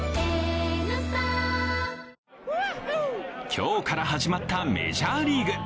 今日から始まったメジャーリーグ。